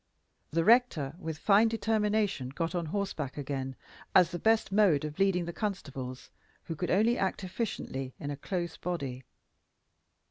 The rector, with fine determination, got on horseback again, as the best mode of leading the constables, who could only act efficiently in a close body.